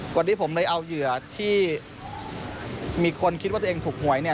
วันนี้ผมเลยเอาเหยื่อที่มีคนคิดว่าตัวเองถูกหวยเนี่ย